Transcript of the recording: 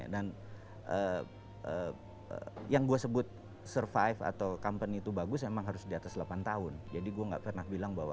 dan yang gue sebut survive atau company to bagus emang harus di atas delapan tahun jadi gue ngga pernah bilang bahwa